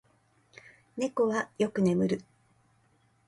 猫はよく眠る。